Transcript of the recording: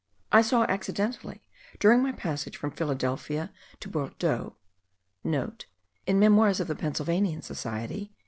I saw accidentally, during my passage from Philadelphia to Bordeaux,* (* In the Memoirs of the Pennsylvanian Society.)